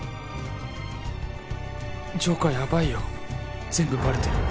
「ジョーカーやばいよ全部バレてる」